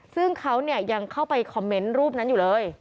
ซึ่งเขายังเข้าไปคอมเมนต์รูปนั้นอยู่เลย